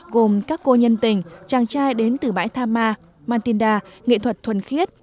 gồm các cô nhân tình chàng trai đến từ bãi tha ma mantinda nghệ thuật thuần khiết